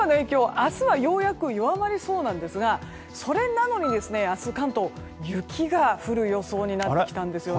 明日はようやく弱まりそうですがそれなのに、明日は関東雪が降る予想になりました。